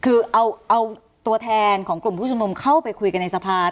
คือเอาตัวแทนของกลุ่มผู้ชมนุมเข้าไปคุยกันในสภา